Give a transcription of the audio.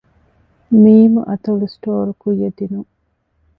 މ. އަތޮޅު ސްޓޯރ ކުއްޔަށް ދިނުން